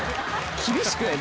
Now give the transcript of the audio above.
厳しくない？